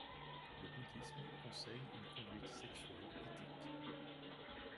Le bouddhisme conseille une conduite sexuelle éthique.